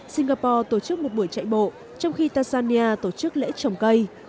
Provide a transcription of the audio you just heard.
singapore tổ chức một buổi chạy bộ trong khi tanzania tổ chức lễ trồng cây